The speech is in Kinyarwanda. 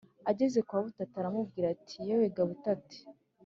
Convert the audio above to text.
Ageze kwa Butati, aramubwira ati: “Yewe ga Butati,